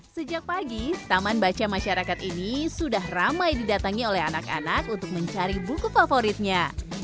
sejak pagi taman baca masyarakat ini sudah ramai didatangi oleh anak anak untuk mencari buku favoritnya